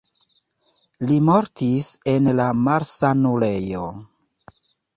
Li mortis en la malsanulejo.